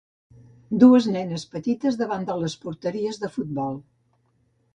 Dues nenes petites davant de les porteries de futbol.